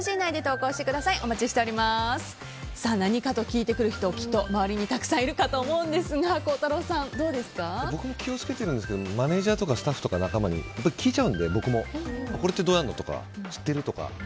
何かと聞いてくる人周りにたくさんいると思いますが僕も気を付けてるんですけどマネジャーとかスタッフに聞いちゃうので、僕もこれってどうやるの？とか知っている？とか。